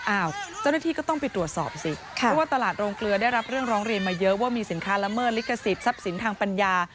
เจ้าหน้าที่ก็ต้องไปตรวจสอบสิเพราะว่าตลาดโรงเกลือได้รับเรื่องร้องเรียนมาเยอะว่ามีสินค้าละเมิดลิขสิทธิทรัพย์สินทางปัญญา